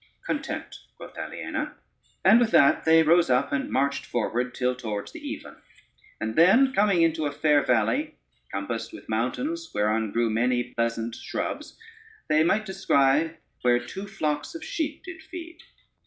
"Content," quoth Aliena, and with that they rose up, and marched forward till towards the even, and then coming into a fair valley, compassed with mountains, whereon grew many pleasant shrubs, they might descry where two flocks of sheep did feed.